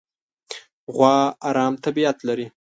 غوا ارامه طبیعت لري.